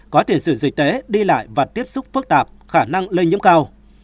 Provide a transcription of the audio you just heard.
có thiền sự dịch tế đi lại và tiếp xúc phức tạp khả năng lây nhiễm cao